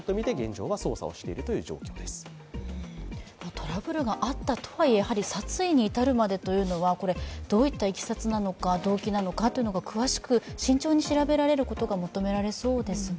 トラブルがあったとはいえ、殺意にまで至るというのはどういったいきさつなのか、動機なのかが詳しく慎重に調べられることが求められそうですね。